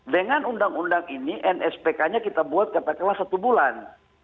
dengan undang undang ini nspk nya kita buat katakanlah satu bulan